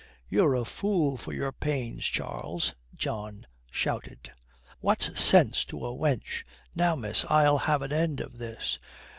"You're a fool for your pains, Charles," John shouted. "What's sense to a wench? Now, miss, I'll have an end of this.